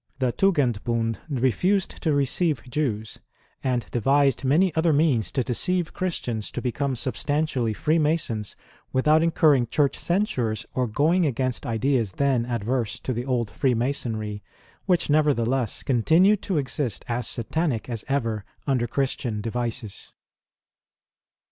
The Tugenbund refused to receive Jews, and devised many other means to deceive Christians to become sub stantially Freemasons without incurring Church censures or going against ideas then adverse to the old Freemasonry, which, nevertheless, continued to exist as satanic as ever under Christian devices.